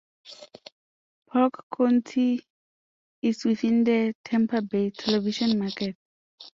Polk County is within the Tampa Bay television market.